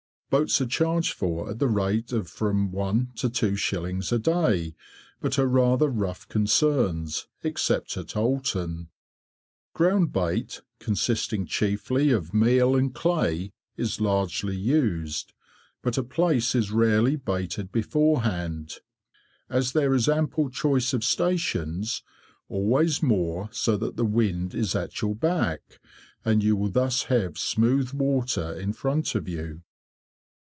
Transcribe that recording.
Boats are charged for at the rate of from 1s. to 2s. a day, but are rather rough concerns, except at Oulton. Ground bait, consisting chiefly of meal and clay, is largely used, but a place is rarely baited beforehand. As there is ample choice of stations, always moor so that the wind is at your back, and you will thus have smooth water in front of you.